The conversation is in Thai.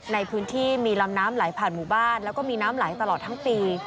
ในพื้นที่มีลำน้ำไหลผ่านหมู่บ้านแล้วก็มีน้ำไหลตลอดทั้งปี